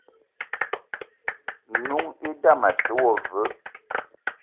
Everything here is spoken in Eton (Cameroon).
N'noung idame a te wo veu.